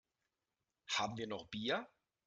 Haben wir noch Bier?